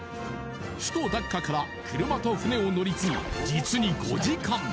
首都ダッカから車と船を乗り継ぎ実に５時間